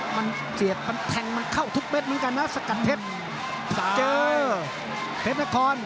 มันเกลียดมันแทงมันเข้าทุกเม็ดเหมือนกันนะสกัดเพชร